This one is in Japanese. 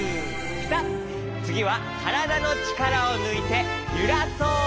つぎはからだのちからをぬいてゆらそう。